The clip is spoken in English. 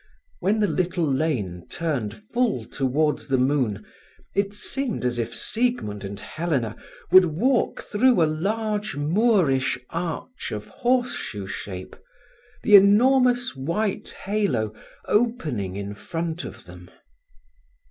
When the little lane turned full towards the moon, it seemed as if Siegmund and Helena would walk through a large Moorish arch of horse shoe shape, the enormous white halo opening in front of them.